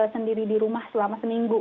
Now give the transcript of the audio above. sendiri di rumah selama seminggu